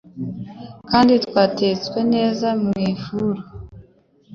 kandi twatetswe neza mu ifuru,